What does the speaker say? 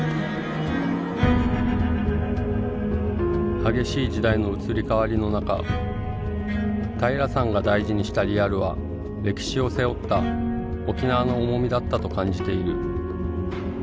激しい時代の移り変わりの中平良さんが大事にしたリアルは歴史を背負った沖縄の重みだったと感じている。